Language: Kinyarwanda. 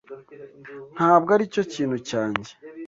Ntabwo aricyo kintu cyanjye.